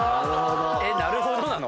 「なるほど」なの？